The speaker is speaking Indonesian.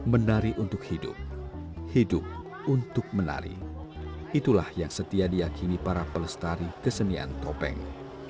menari untuk hidup hidup untuk menari itulah yang setia diakini para pelestari kesenian topeng